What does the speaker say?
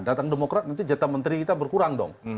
datang demokrat nanti jatah menteri kita berkurang dong